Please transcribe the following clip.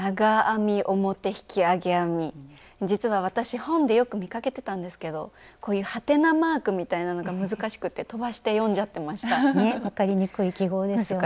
実は私本でよく見かけてたんですけどこういうはてなマークみたいなのが難しくて飛ばして読んじゃってました。ね？